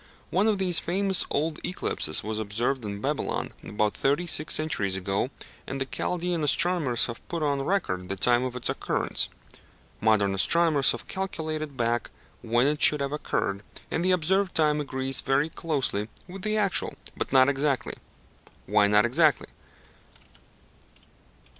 One of these famous old eclipses was observed in Babylon about thirty six centuries ago, and the Chaldæan astronomers have put on record the time of its occurrence. Modern astronomers have calculated back when it should have occurred, and the observed time agrees very closely with the actual, but not exactly. Why not exactly?